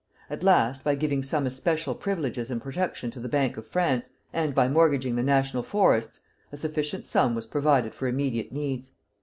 At last, by giving some especial privileges and protection to the Bank of France, and by mortgaging the national forests, a sufficient sum was provided for immediate needs.